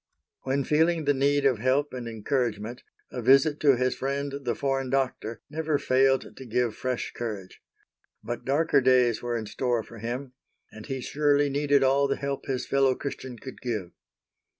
When feeling the need of help and encouragement, a visit to his friend the foreign doctor, never failed to give fresh courage. But darker days were in store for him, and he surely needed all the help his fellow Christian could give.